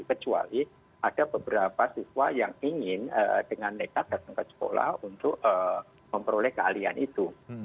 kecuali ada beberapa siswa yang ingin dengan nekat datang ke sekolah untuk memperoleh keahlian itu